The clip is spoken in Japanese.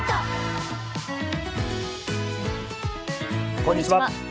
こんにちは。